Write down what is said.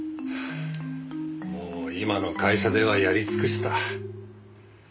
もう今の会社ではやり尽くした。